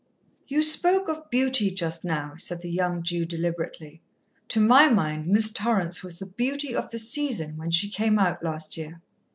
"You spoke of beauty just now," said the young Jew deliberately. "To my mind Miss Torrance was the beauty of the season, when she came out last year."